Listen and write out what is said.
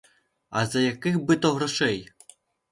Аз яких би то грошей?